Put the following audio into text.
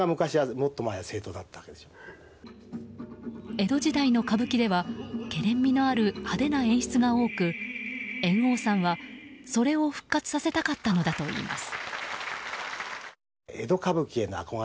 江戸時代の歌舞伎ではけれん味のある派手な演出が多く猿翁さんは、それを復活させたかったのだといいます。